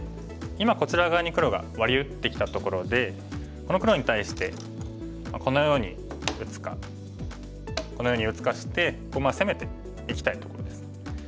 今こちら側に黒がワリ打ってきたところでこの黒に対してこのように打つかこのように打つかして攻めていきたいところです。